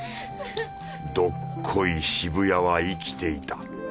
どっこい渋谷は生きていた。